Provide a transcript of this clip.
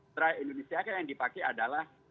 terakhir indonesia kan yang dipakai adalah